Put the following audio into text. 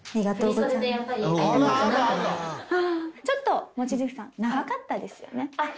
ちょっと望月さん長かったですよね。